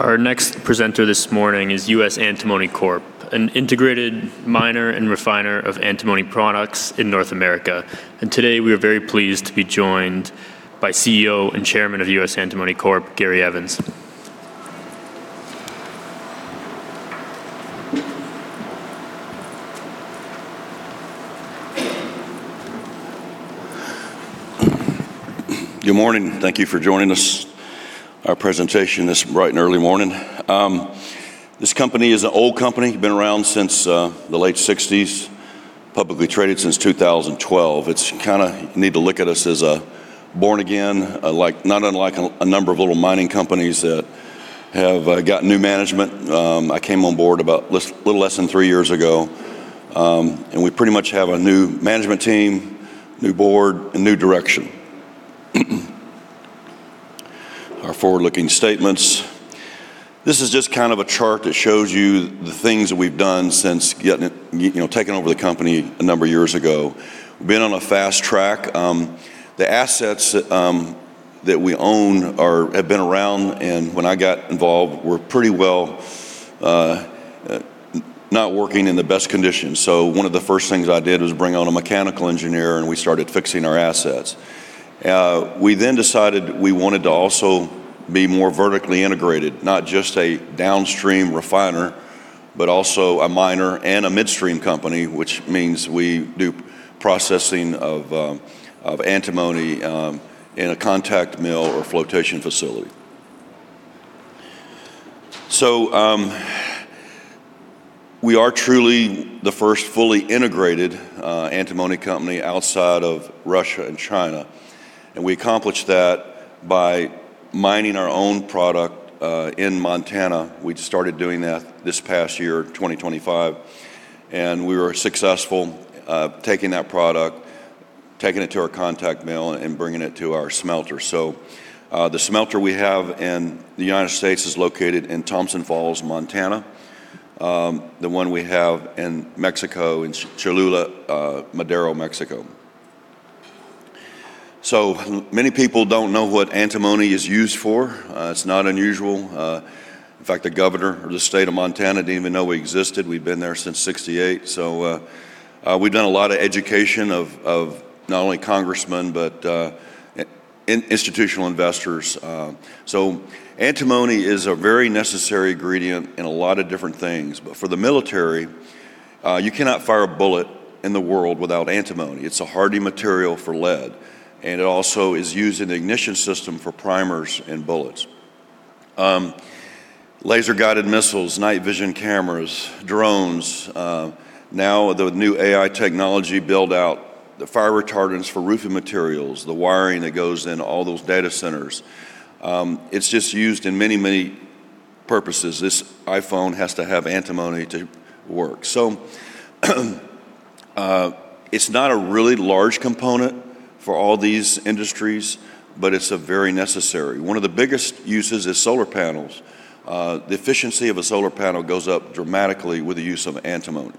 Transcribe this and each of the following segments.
Our next presenter this morning is U.S. Antimony Corp, an integrated miner and refiner of antimony products in North America. Today, we are very pleased to be joined by CEO and Chairman of U.S. Antimony Corp, Gary Evans. Good morning. Thank you for joining us, our presentation this bright and early morning. This company is an old company, been around since the late sixties, publicly traded since 2012. You need to look at us as a born again, like, not unlike a number of little mining companies that have got new management. I came on board about little less than 3 years ago, and we pretty much have a new management team, new board, and new direction. Our forward-looking statements. This is just kind of a chart that shows you the things that we've done since you know, taking over the company a number of years ago. We've been on a fast track. The assets that we own have been around, and when I got involved, were pretty well not working in the best conditions. One of the first things I did was bring on a mechanical engineer, and we started fixing our assets. We then decided we wanted to also be more vertically integrated, not just a downstream refiner, but also a miner and a midstream company, which means we do processing of antimony in a contact mill or flotation facility. We are truly the first fully integrated antimony company outside of Russia and China, and we accomplished that by mining our own product in Montana. We started doing that this past year, 2025, and we were successful taking that product, taking it to our contact mill and bringing it to our smelter. The smelter we have in the United States is located in Thompson Falls, Montana. The one we have in Mexico, in Madero, Coahuila, Mexico. Many people don't know what antimony is used for. It's not unusual. In fact, the governor of the state of Montana didn't even know we existed. We've been there since 1968. We've done a lot of education of not only congressmen, but institutional investors. Antimony is a very necessary ingredient in a lot of different things, but for the military, you cannot fire a bullet in the world without antimony. It's a hardy material for lead, and it also is used in the ignition system for primers in bullets. Laser-guided missiles, night vision cameras, drones, now the new AI technology build-out, the fire retardants for roofing materials, the wiring that goes in all those data centers. It's just used in many, many purposes. This iPhone has to have antimony to work. It's not a really large component for all these industries, but it's a very necessary. One of the biggest uses is solar panels. The efficiency of a solar panel goes up dramatically with the use of antimony.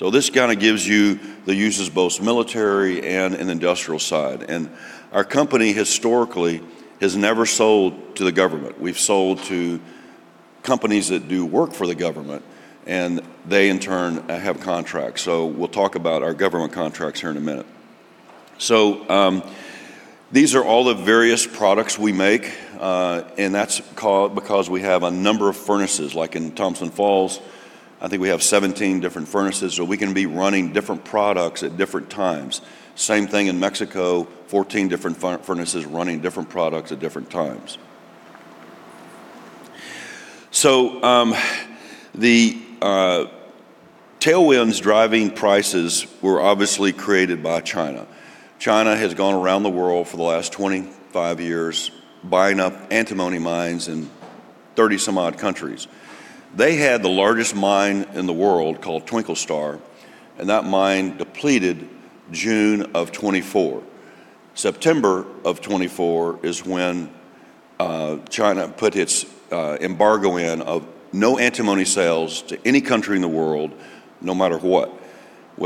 This kinda gives you the uses, both military and in industrial side. Our company historically has never sold to the government. We've sold to companies that do work for the government, and they in turn, have contracts. We'll talk about our government contracts here in a minute. These are all the various products we make, and that's because we have a number of furnaces, like in Thompson Falls, I think we have 17 different furnaces, so we can be running different products at different times. Same thing in Mexico, 14 different furnaces running different products at different times. The tailwinds driving prices were obviously created by China. China has gone around the world for the last 25 years, buying up antimony mines in 30-some-odd countries. They had the largest mine in the world called Twinkle Star, and that mine depleted June of 2024. September of 2024 is when China put its embargo in of no antimony sales to any country in the world, no matter what.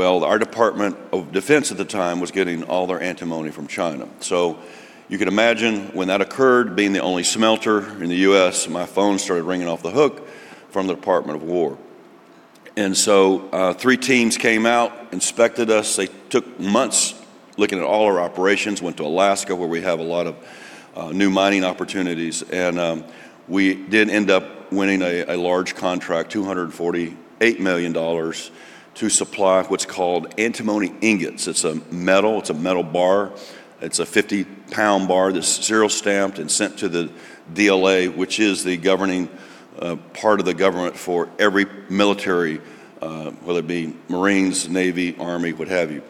Our Department of Defense at the time was getting all their antimony from China. You can imagine when that occurred, being the only smelter in the U.S., my phone started ringing off the hook from the Department of War. 3 teams came out, inspected us. They took months looking at all our operations, went to Alaska, where we have a lot of new mining opportunities. We did end up winning a large contract, $248 million, to supply what's called antimony ingots. It's a metal, it's a metal bar. It's a 50-pound bar that's serial stamped and sent to the DLA, which is the governing part of the government for every military, whether it be Marines, Navy, Army, what have you.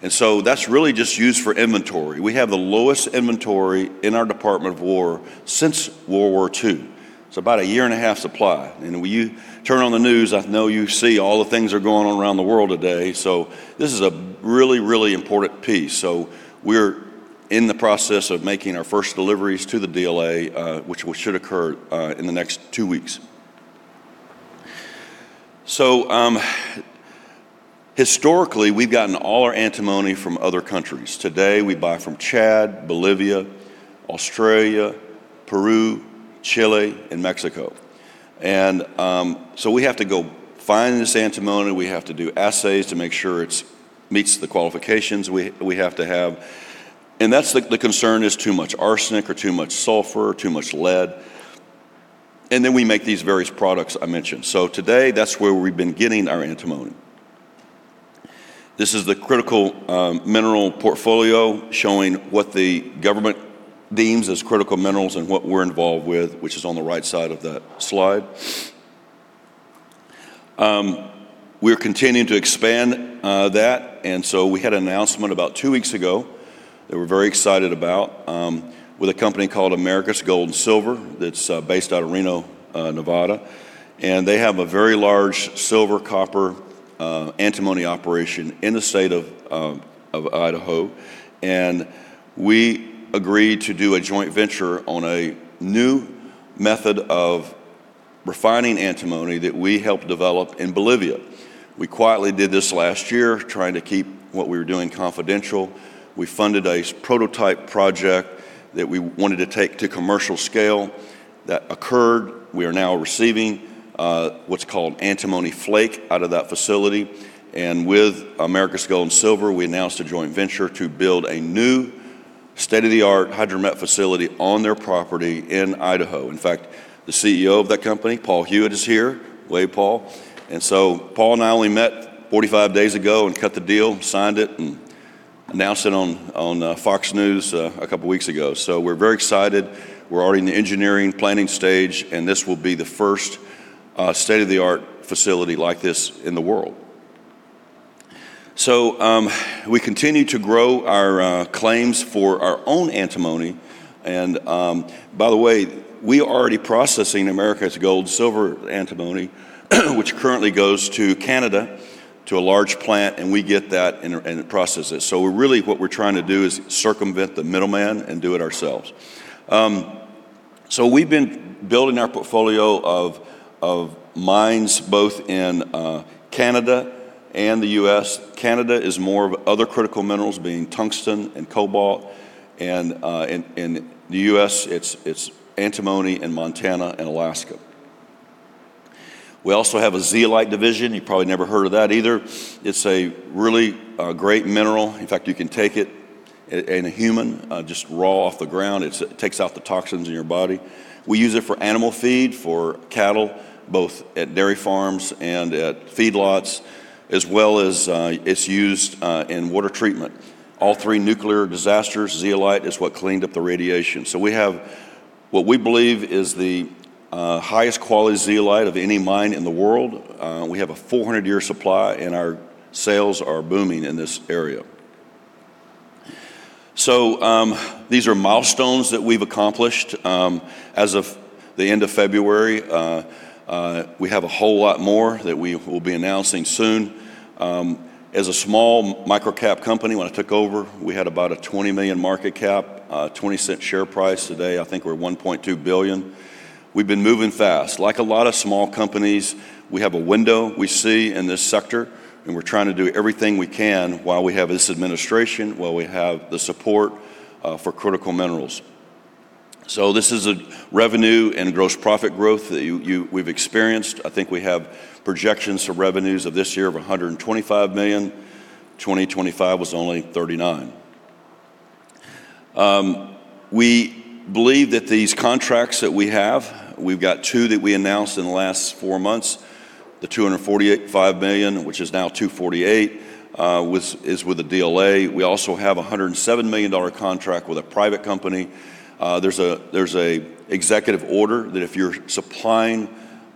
That's really just used for inventory. We have the lowest inventory in our Department of War since World War II. It's about a year-and-a-half supply. When you turn on the news, I know you see all the things are going on around the world today, this is a really, really important piece. We're in the process of making our first deliveries to the DLA, which should occur in the next two weeks. Historically, we've gotten all our antimony from other countries. Today, we buy from Chad, Bolivia, Australia, Peru, Chile, and Mexico. We have to go find this antimony. We have to do assays to make sure it meets the qualifications we have to have. That's the concern is too much arsenic or too much sulfur or too much lead, we make these various products I mentioned. Today, that's where we've been getting our antimony. This is the critical mineral portfolio showing what the government deems as critical minerals and what we're involved with, which is on the right side of that slide. We're continuing to expand that, so we had an announcement about 2 weeks ago that we're very excited about with a company called Americas Gold and Silver Corporation that's based out of Reno, Nevada. They have a very large silver, copper, antimony operation in the state of Idaho, and we agreed to do a joint venture on a new method of refining antimony that we helped develop in Bolivia. We quietly did this last year, trying to keep what we were doing confidential. We funded a prototype project that we wanted to take to commercial scale. That occurred. We are now receiving what's called antimony flake out of that facility. With Americas Gold and Silver Corporation, we announced a joint venture to build a new state-of-the-art hydromet facility on their property in Idaho. In fact, the CEO of that company, Paul Hewitt, is here. Wave, Paul. Paul and I only met 45 days ago and cut the deal, signed it, and announced it on Fox News 2 weeks ago. We're very excited. We're already in the engineering planning stage, and this will be the first state-of-the-art facility like this in the world. We continue to grow our claims for our own antimony. By the way, we are already processing Americas gold, silver, antimony, which currently goes to Canada, to a large plant, and we get that and it processes. We're really, what we're trying to do is circumvent the middleman and do it ourselves. We've been building our portfolio of mines both in Canada and the U.S. Canada is more of other critical minerals, being tungsten and cobalt, and in the U.S., it's antimony in Montana and Alaska. We also have a zeolite division. You've probably never heard of that either. It's a really great mineral. In fact, you can take it in a human, just raw off the ground. It takes out the toxins in your body. We use it for animal feed, for cattle, both at dairy farms and at feedlots, as well as, it's used in water treatment. All three nuclear disasters, zeolite is what cleaned up the radiation. We have what we believe is the highest quality zeolite of any mine in the world. We have a 400-year supply, and our sales are booming in this area. These are milestones that we've accomplished. As of the end of February, we have a whole lot more that we will be announcing soon. As a small micro-cap company, when I took over, we had about a $20 million market cap, $0.20 share price. Today, I think we're $1.2 billion. We've been moving fast. Like a lot of small companies, we have a window we see in this sector, and we're trying to do everything we can while we have this administration, while we have the support for critical minerals. This is a revenue and gross profit growth that we've experienced. I think we have projections for revenues of this year of $125 million. 2025 was only $39 million. We believe that these contracts that we have, we've got two that we announced in the last four months, the $248.5 million, which is now $248 million, is with the DLA. We also have a $107 million contract with a private company. There's a executive order that if you're supplying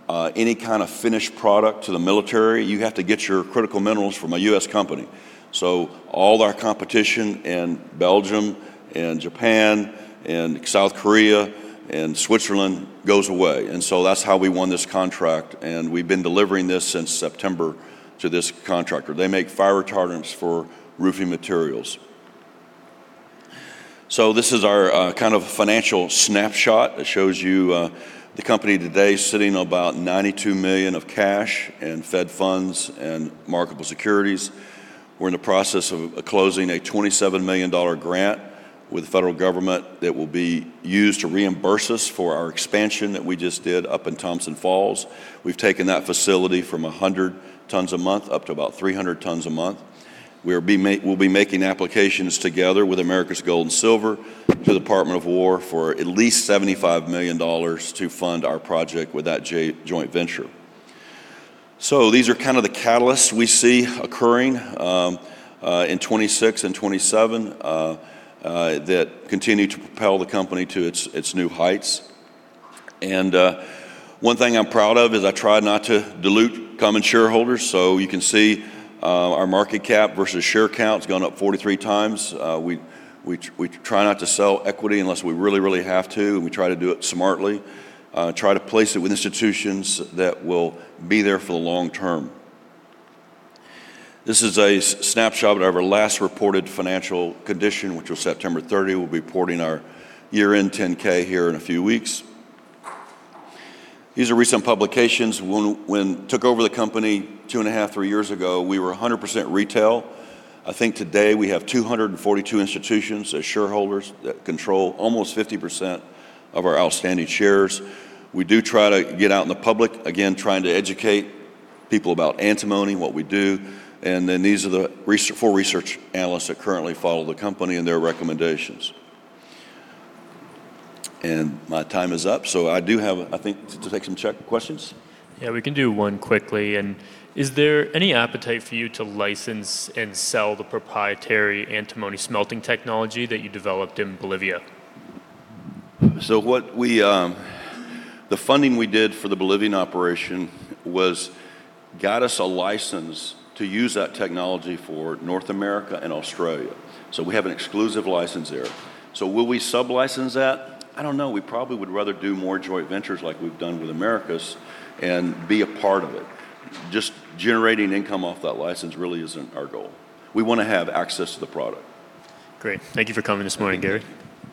any kind of finished product to the military, you have to get your critical minerals from a U.S. company. All our competition in Belgium and Japan and South Korea and Switzerland goes away. That's how we won this contract, and we've been delivering this since September to this contractor. They make fire retardants for roofing materials. This is our kind of financial snapshot. It shows you the company today sitting on about $92 million of cash and fed funds and marketable securities. We're in the process of closing a $27 million grant with the federal government that will be used to reimburse us for our expansion that we just did up in Thompson Falls. We've taken that facility from 100 tons a month up to about 300 tons a month. We'll be making applications together with Americas Gold and Silver Corporation to the Department of War for at least $75 million to fund our project with that joint venture. These are kind of the catalysts we see occurring in 2026 and 2027 that continue to propel the company to its new heights. One thing I'm proud of is I try not to dilute common shareholders. You can see our market cap versus share count has gone up 43 times. We try not to sell equity unless we really, really have to, and we try to do it smartly, try to place it with institutions that will be there for the long term. This is a snapshot of our last reported financial condition, which was September 30. We'll be reporting our year-end 10-K here in a few weeks. These are recent publications. When took over the company 2.5, 3 years ago, we were a 100% retail. I think today we have 242 institutions as shareholders that control almost 50% of our outstanding shares. We do try to get out in the public, again, trying to educate people about antimony, what we do, and then these are the four research analysts that currently follow the company and their recommendations. My time is up, so I do have, I think, to take some questions? Yeah, we can do one quickly. Is there any appetite for you to license and sell the proprietary antimony smelting technology that you developed in Bolivia? The funding we did for the Bolivian operation was got us a license to use that technology for North America and Australia, so we have an exclusive license there. Will we sublicense that? I don't know. We probably would rather do more joint ventures like we've done with Americas and be a part of it. Just generating income off that license really isn't our goal. We wanna have access to the product. Great. Thank you for coming this morning, Gary.